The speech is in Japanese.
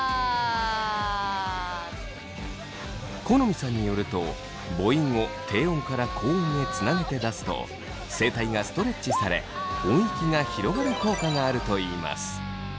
許斐さんによると母音を低音から高音へつなげて出すと声帯がストレッチされ音域が広がる効果があるといいます。